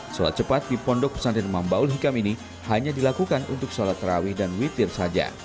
sholat cepat di pondok pesantren mambaul hikam ini hanya dilakukan untuk sholat terawih dan witir saja